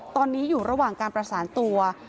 ตอนนี้อยู่ระหว่างการประสานตัว